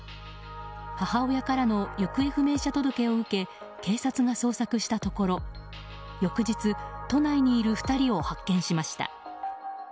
母親からの行方不明者届を受け警察が捜索したところ翌日都内にいる２人を発見しました。